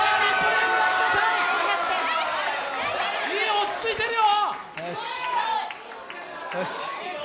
いいよ、落ち着いてるよ！